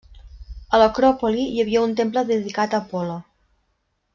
A l'acròpoli hi havia un temple dedicat a Apol·lo.